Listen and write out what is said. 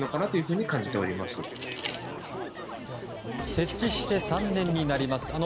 設置して３年になります。